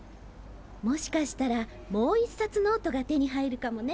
もしかしたらもう一冊ノートが手に入るかもね。